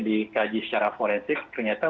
dikaji secara forensik ternyata